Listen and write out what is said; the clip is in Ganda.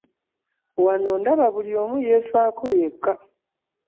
Wano ndaba buli omu yeefaako yekka.